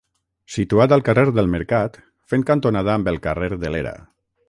Situat al carrer del Mercat, fent cantonada amb el carrer de l'Era.